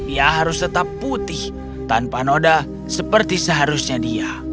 ia harus tetap putih tanpa noda seperti seharusnya dia